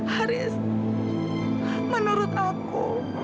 haris menurut aku